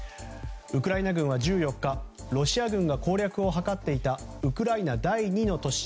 ウクライナ軍は１４日ロシア軍が攻略を図っていたウクライナ第２の都市